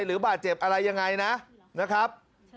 หรือบาดเจ็บอะไรยังไงนะครับ